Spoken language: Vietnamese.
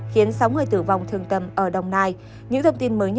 khiến sáu người tử vong thương tâm ở đồng nai